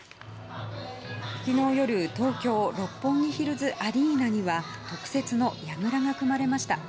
昨日夜、東京六本木ヒルズアリーナには特設のやぐらが組まれました。